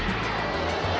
jangan makan aku